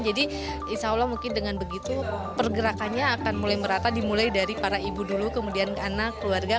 jadi insya allah mungkin dengan begitu pergerakannya akan mulai merata dimulai dari para ibu dulu kemudian anak keluarga kemudian anak